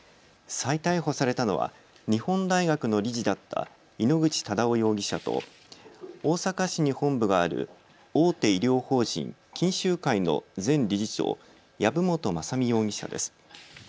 再逮捕されたのは日本大学の理事だった井ノ口忠男容疑者と大阪市に本部がある大手医療法人、錦秀会の前理事長、籔本雅巳容疑者です。